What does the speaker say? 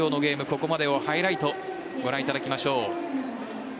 ここまでのハイライトをご覧いただきましょう。